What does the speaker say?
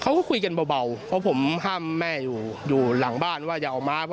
เขาก็คุยกันเบาเพราะผมห้ามแม่อยู่อยู่หลังบ้านว่าอย่าเอามา